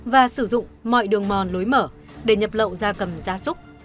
và sử dụng mọi đường mòn lối mở để nhập lậu gia cầm gia súc